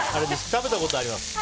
食べたことはあります。